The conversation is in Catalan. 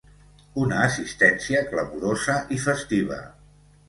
Una assistència clamorosa i festiva.